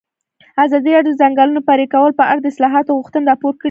ازادي راډیو د د ځنګلونو پرېکول په اړه د اصلاحاتو غوښتنې راپور کړې.